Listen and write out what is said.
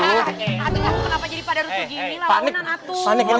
atuh kenapa jadi pak darussu gini lah